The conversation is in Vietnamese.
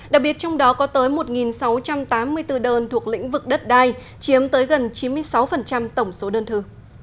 đặc biệt trong đó có tới một sáu trăm tám mươi bốn đơn thuộc lĩnh vực đất đai chiếm tới gần chín mươi sáu tổng số đơn thư